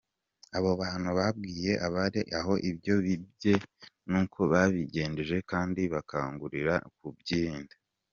Abo bantu babwiye abari aho ibyo bibye n’uko babigenje kandi babakangurira kubyirinda.